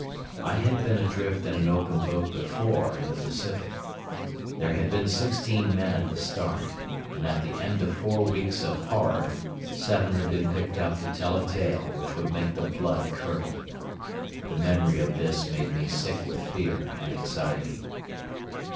I had been adrift in an open boat before in the Pacific. There had been sixteen men at the start, and at the end of four weeks of horror seven had been picked up to tell a tale which would make the blood curdle. The memory of this made me sick with fear and anxiety.